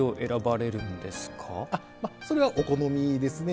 それはお好みですね。